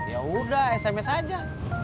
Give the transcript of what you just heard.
ya udah sms aja